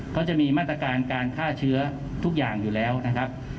เขาจะมีมาตรการการฆ่าเชื้อทุกอย่างอยู่แล้วนะครับ